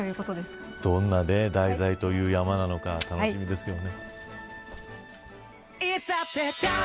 どんな題材という山なのか楽しみですね。